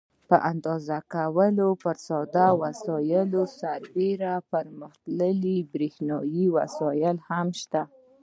په اندازه کولو کې پر ساده وسایلو سربیره پرمختللي برېښنایي وسایل هم شته.